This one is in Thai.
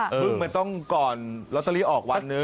เพิ่งมาต้องก่อนลอตเตอรี่ออกวันหนึ่ง